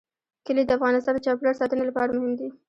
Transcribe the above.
کلي د افغانستان د چاپیریال ساتنې لپاره مهم دي.